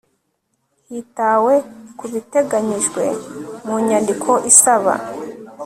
hitawe ku biteganyijwe mu nyandiko isaba